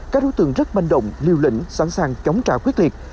các đối tượng rất banh động lưu lĩnh sẵn sàng chống trả quyết liệt